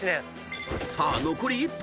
［さあ残り１分。